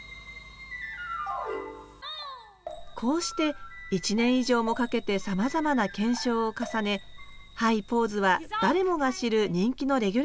こうして１年以上もかけてさまざまな検証を重ね「ハイ・ポーズ」は誰もが知る人気のレギュラーコーナーとして定着。